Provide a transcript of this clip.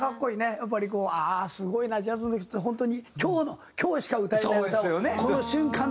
やっぱりこうああすごいなジャズの人って本当に今日の今日しか歌えない歌をこの瞬間だけで。